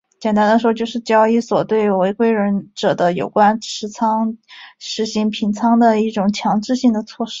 简单地说就是交易所对违规者的有关持仓实行平仓的一种强制措施。